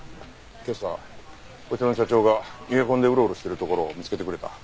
今朝こちらの所長が逃げ込んでウロウロしているところを見つけてくれた。